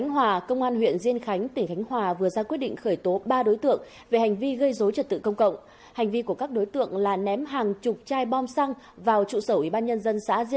hãy đăng ký kênh để ủng hộ kênh của chúng mình nhé